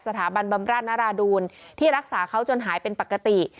บำราชนราดูนที่รักษาเขาจนหายเป็นปกติ